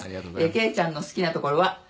惠ちゃんの好きなところは」